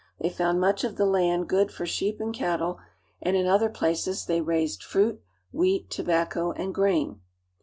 They found much of the land good for sheep and cattle, and in other places they raised fruit, wheat, tobacco, and grain.